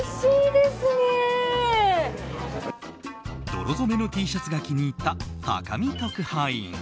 泥染めのＴシャツが気に入った高見特派員。